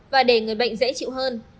và để người bệnh dễ chịu hơn